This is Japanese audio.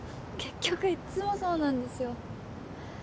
結局いっつもそうなんですよ